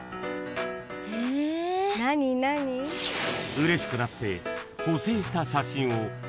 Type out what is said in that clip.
［うれしくなって］